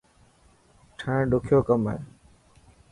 ٺاهڻ ڏکيو ڪم هي.